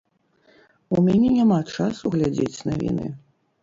У мяне няма часу глядзець навіны.